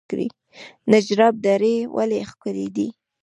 نجراب درې ولې ښکلې دي؟